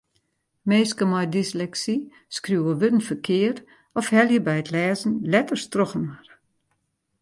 Minsken mei dysleksy skriuwe wurden ferkeard of helje by it lêzen letters trochinoar.